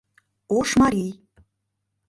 Ош марий.